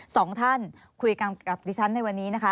สองท่านคุยกันกับดิฉันในวันนี้นะคะ